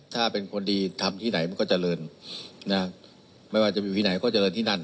ถ้าเป็นคนดีทำที่ไหนมันก็เจริญนะไม่ว่าจะอยู่ที่ไหนก็เจริญที่นั่น